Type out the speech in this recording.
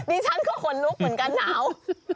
ฉันก็ขนลุกเหมือนกันหนาว